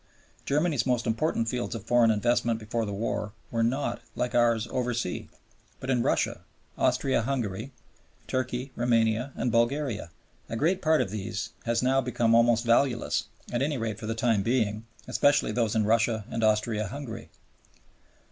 Germany's most important fields of foreign investment before the war were not, like ours, oversea, but in Russia, Austria Hungary, Turkey, Roumania, and Bulgaria. A great part of these has now become almost valueless, at any rate for the time being; especially those in Russia and Austria Hungary.